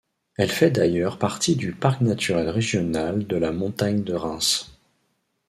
Elle fait d'ailleurs partie du parc naturel régional de la Montagne de Reims.